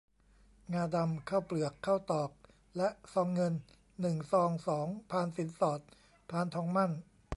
งาดำ ข้าวเปลือก ข้าวตอก และซองเงิน หนึ่ง ซอง สอง พานสินสอด พานทองหมั้น